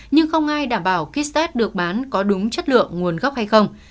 nhưng không ai đảm bảo kit test được bán có đúng chất lượng nguồn gốc hay không